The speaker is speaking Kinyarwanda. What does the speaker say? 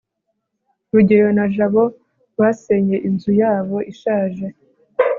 rugeyo na jabo basenye inzu yabo ishaje